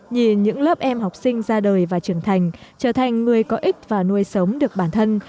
nhìn những lớp em học sinh ra đời và trưởng thành trở thành người có ích và nuôi sống được bản thân